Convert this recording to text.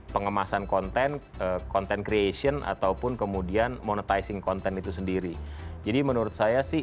pengemasan konten content creation ataupun kemudian monetizing content itu sendiri jadi menurut saya sih